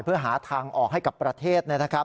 เพื่อหาทางออกให้กับประเทศนะครับ